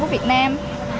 của việt nam